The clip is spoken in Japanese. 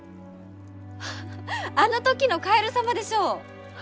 フフフあの時のカエル様でしょう？